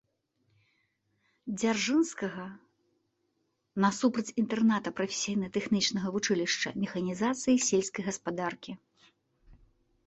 Дзяржынскага, насупраць інтэрната прафесійна-тэхнічнага вучылішча механізацыі сельскай гаспадаркі.